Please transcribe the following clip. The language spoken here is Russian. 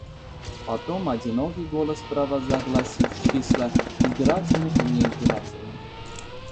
Потом одинокий голос провозгласил число избирательных и неизбирательных.